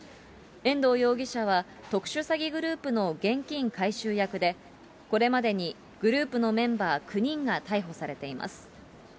遠藤容疑者は、特殊詐欺グループの現金回収役で、これまでにグループのメンバー９人が逮捕されています。